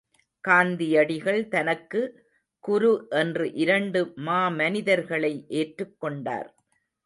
காந்தியடிகள் தனக்கு குரு என்று இரண்டு மாமனிதர்களை ஏற்றுக் கொண்டார்.